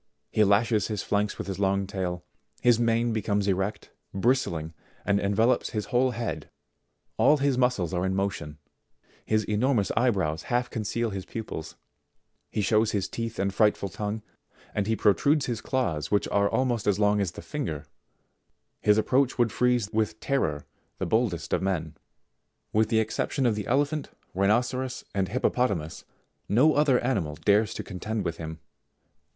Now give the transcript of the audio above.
He lashes his flanks with his long tail ; his mane be comes erect, bristling, and envelopes his whole head ; all his muscles are in motion ; his enormous eye brows half conceal his pupils ; he shows his teeth and frightful tongue, and he protrudes his claws which are almost as long as the finger ; his approach would freeze with terror the boldest of men. With the excep tion of the elephant, rhinoceros, and hippopotamus, no other animal dares to contend with him.